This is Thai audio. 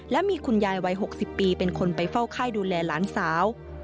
และมีคุณยายวัย๖๐ปีเป็นคนไปเฝ้าไข้ดูแลหลานสาว